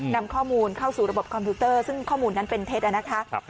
นำข้อมูลเข้าสู่ระบบคอมพิวเตอร์ซึ่งข้อมูลนั้นเป็นเท็จนะคะ